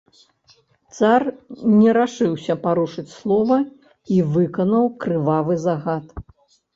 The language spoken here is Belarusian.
Цар не рашыўся парушыць слова і выканаў крывавы загад.